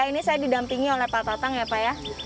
ini saya didampingi oleh pak tatang ya pak ya